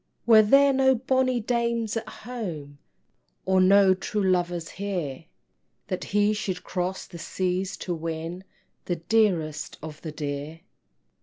Were there no bonny dames at home, Or no true lovers here, That he should cross the seas to win The dearest of the dear?